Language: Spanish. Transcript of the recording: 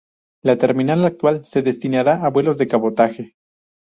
La terminal actual se destinará a vuelos de cabotaje.